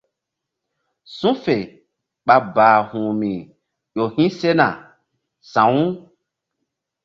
Su̧ fe ɓa bahu̧hmi ƴo hi̧ sena sa̧w.